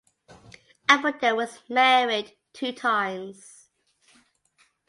Appleton was married two times.